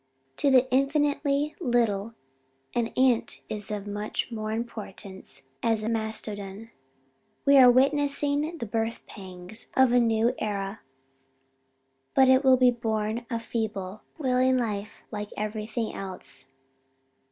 To the infinitely little an ant is of as much importance as a mastodon. We are witnessing the birth pangs of a new era but it will be born a feeble, wailing life like everything else.